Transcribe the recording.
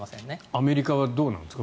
アメリカはどうなんですか。